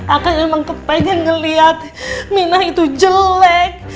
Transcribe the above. akankah memang pengen ngeliat minah itu jelek